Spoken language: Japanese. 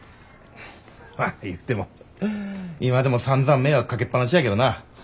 まあいうても今でもさんざん迷惑かけっぱなしやけどな。